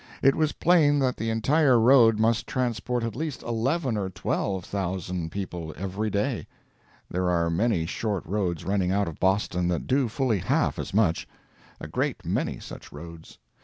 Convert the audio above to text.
It was plain that the entire road must transport at least eleven or twelve thousand people every day. There are many short roads running out of Boston that do fully half as much; a great many such roads.